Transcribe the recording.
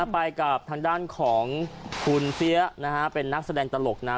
ไปกับทางด้านของคุณเสี้ยนะฮะเป็นนักแสดงตลกนะ